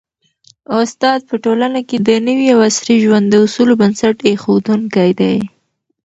استاد په ټولنه کي د نوي او عصري ژوند د اصولو بنسټ ایښودونکی دی.